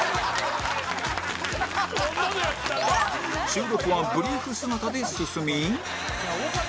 収録はブリーフ姿で進み